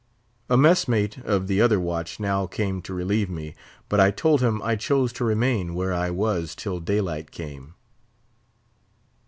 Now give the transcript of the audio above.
A mess mate of the other watch now came to relieve me; but I told him I chose to remain where I was till daylight came.